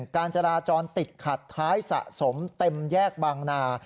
การจราจรติดขัดท้ายสะสมเต็มแยกบางนา